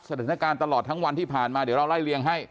สถานการณ์ตลอดทั้งวันที่ผ่านมาเดี๋ยวเราไล่เลี่ยงให้